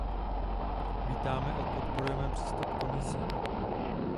Vítáme a podporujeme přístup Komise.